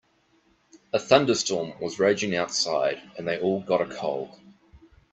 A thunderstorm was raging outside and they all got a cold.